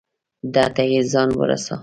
ده ته یې ځان رساو.